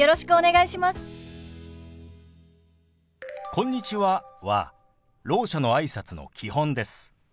「こんにちは」はろう者のあいさつの基本です。